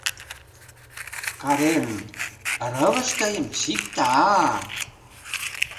Карен: «Рывыж тыйым чикта-а!..»